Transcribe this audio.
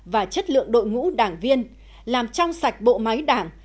và chất lượng đội ngũ đảng viên làm trong sạch bộ máy đảng